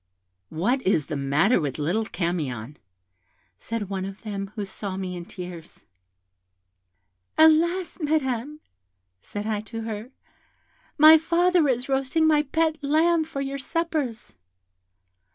'What is the matter with little Camion?' said one of them, who saw me in tears. 'Alas, Madam!' said I to her, 'my father is roasting my pet lamb for your suppers.'